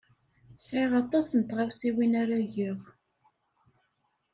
Sɛiɣ aṭas n tɣawsiwin ara geɣ.